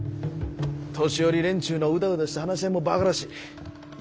年寄り連中のうだうだした話し合いもバカらしい。